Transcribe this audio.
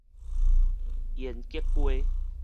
延吉街